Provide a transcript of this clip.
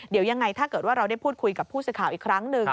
เดี๋ยวยังไงถ้าเกิดว่าเราได้พูดคุยกับผู้สื่อข่าวอีกครั้งหนึ่ง